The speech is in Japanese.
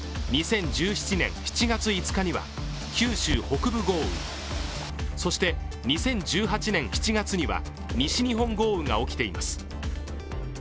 ２０１７年７月５日は九州北部豪雨、そして２０１８年７月には西日本豪雨が起きています。